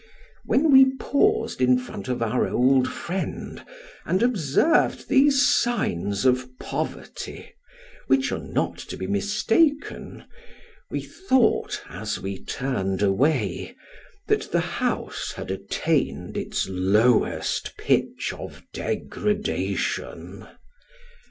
When we paused in front of our old friend, and observed these signs of poverty, which are not to be mistaken, we thought as we turned away, that the house had attained its lowest pitch of degradation.